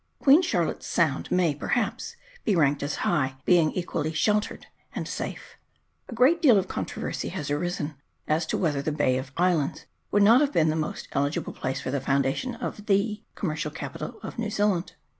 Queen Charlotte's Sound may, perhaps, be ranked as high, being equally sheltered and safe. A great deal of controversy has consequently arisen as to whether the Bay of Islands would not have been the most eligible place for the foundation of the commercial capital of New Zealand.